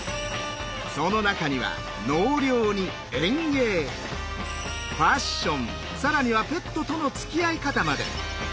その中には納涼に園芸ファッション更にはペットとのつきあい方まで。